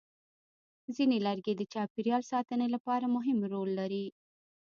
ځینې لرګي د چاپېریال ساتنې لپاره مهم رول لري.